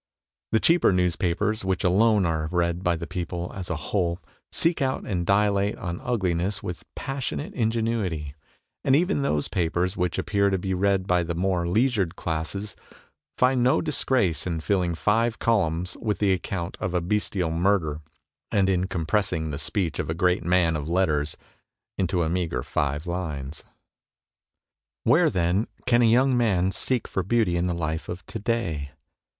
The cheaper newspapers, which alone are read by the people as a whole, seek out and dilate on ugliness with passionate ingenuity, and even those papers which appear to be read by the more leisured classes, find no disgrace in filling five columns with the account o'f a bestial murder, and in compressing the speech of a great man of letters into a meagre five lines. Where, then, can a young man seek for beauty in the life of to day?